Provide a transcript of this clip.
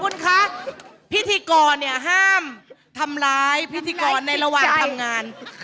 คุณคะพิธีกรเนี่ยห้ามทำร้ายพิธีกรในระหว่างทำงาน